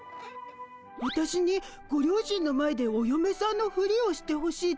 わたしにご両親の前でおよめさんのフリをしてほしいってこと？